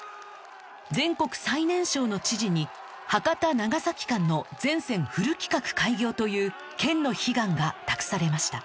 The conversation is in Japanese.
全国最年少の知事に博多長崎間の全線フル規格開業という県の悲願が託されました